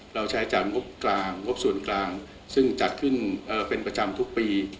เราใช้จ่ายงบกลางงบส่วนกลางซึ่งจัดขึ้นเป็นประจำทุกปี